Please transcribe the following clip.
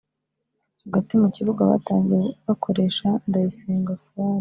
Hagati mu kibuga batangiye bakoresha Ndayisenga Fuad